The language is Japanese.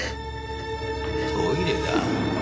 トイレだ？